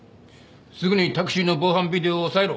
すぐにタクシーの防犯ビデオを押さえろ。